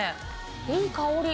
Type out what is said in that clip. いい香り。